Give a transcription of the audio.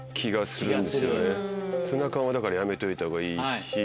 ツナ缶はだからやめておいたほうがいいし。